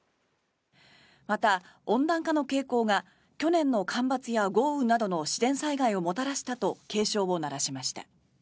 また、温暖化の傾向が去年の干ばつや豪雨などの自然災害をもたらしたと警鐘を鳴らしました。